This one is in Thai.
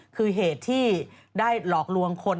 คือเหตุที่ได้หลอกลวงคน